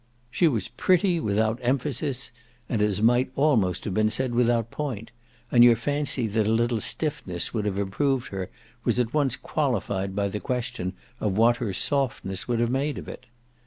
She was pretty without emphasis and as might almost have been said without point, and your fancy that a little stiffness would have improved her was at once qualified by the question of what her softness would have made of it.